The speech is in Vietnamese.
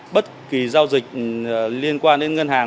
bất kỳ giao dịch liên quan đến ngân hàng